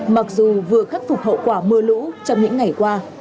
mặc dù vừa khắc phục hậu quả mưa lũ trong những ngày qua